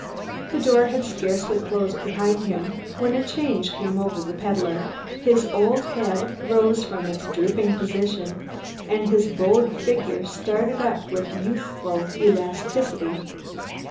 The door had scarcely closed behind him when a change came over the peddler. His old head rose from its drooping position, his bowed figure started up with youthful elasticity.